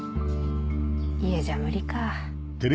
家じゃ無理か。